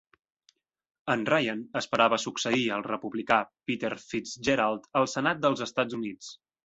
En Ryan esperava succeir el republicà Peter Fitzgerald al Senat dels Estats Units.